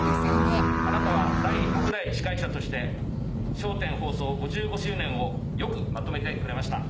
「あなたは第６代司会者として『笑点』放送５５周年をよくまとめてくれました。